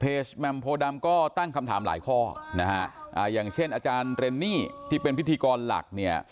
แมมโพดำก็ตั้งคำถามหลายข้อนะฮะอ่าอย่างเช่นอาจารย์เรนนี่ที่เป็นพิธีกรหลักเนี่ย